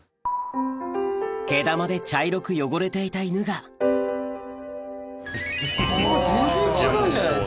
毛玉で茶色く汚れていた犬が全然違うじゃないですか。